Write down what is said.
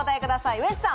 ウエンツさん。